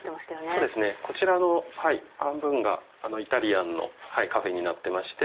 こちらの半分がイタリアンのカフェになってまして。